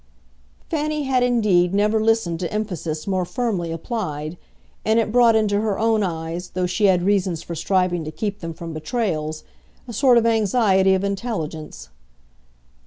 Fanny had indeed never listened to emphasis more firmly applied, and it brought into her own eyes, though she had reasons for striving to keep them from betrayals, a sort of anxiety of intelligence.